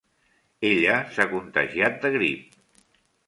Ella s'ha contagiat de grip.